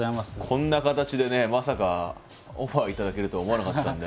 こんな形でねまさかオファー頂けるとは思わなかったんで。